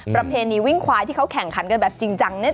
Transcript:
ประเพณีวิ่งควายที่เขาแข่งขันกันแบบจริงจัง